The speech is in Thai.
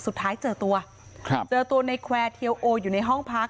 สุดท้ายเจอตัวครับเจอตัวในแควร์เทียวโออยู่ในห้องพัก